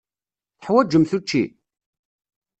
Teḥwaǧemt učči?